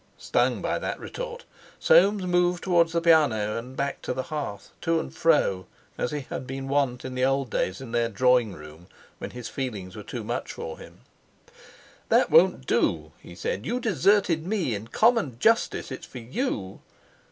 Stung by that retort, Soames moved towards the piano and back to the hearth, to and fro, as he had been wont in the old days in their drawing room when his feelings were too much for him. "That won't do," he said. "You deserted me. In common justice it's for you...."